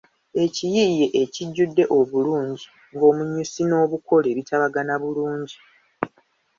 Ekiyiiye ekijjudde obulungi ng’omunyusi n’obukole bitabagana bulungi.